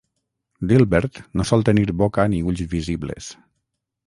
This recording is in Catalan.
Dilbert no sol tenir boca ni ulls visibles.